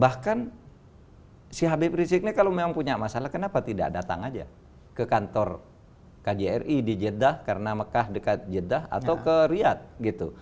bahkan si habib rizik ini kalau memang punya masalah kenapa tidak datang aja ke kantor kjri di jeddah karena mekah dekat jeddah atau ke riyad gitu